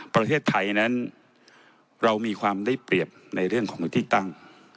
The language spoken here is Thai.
ประเทศไทยนั้นเรามีความได้เปรียบในเรื่องของที่ตั้ง